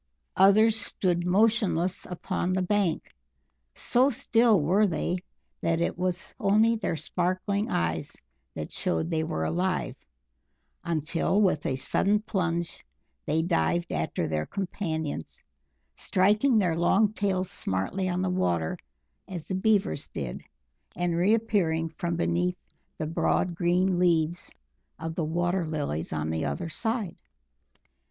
Others stood motionless upon the bank; so still were they that it was only their sparkling eyes that showed they were alive, until with a sudden plunge, they dived after their companions, striking their long tails smartly on the water as the Beavers did, and reappearing from beneath the broad green leaves of the water lilies on the other side.